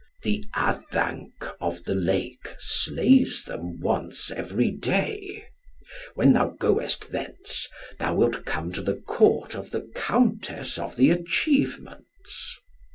"The Addanc of the Lake slays them once every day. When thou goest thence, thou wilt come to the Court of the Countess of the Achievements."